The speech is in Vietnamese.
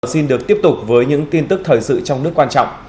xin được tiếp tục với những tin tức thời sự trong nước quan trọng